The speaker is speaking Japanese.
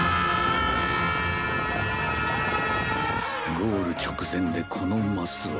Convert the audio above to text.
ゴール直前でこのマスは。